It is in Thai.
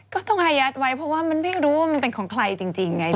ก็ต้องอายัดไว้เพราะว่ามันไม่รู้ว่ามันเป็นของใครจริงไง